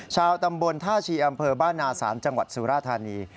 ชาวตำบลท่าชีอำเภอบ้านนาศาลจังหวัดสุราธานี